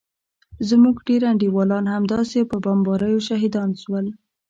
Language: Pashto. زموږ ډېر انډيوالان همداسې په بمباريو شهيدان سول.